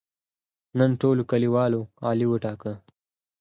نن ټولو کلیوالو علي وټاکه.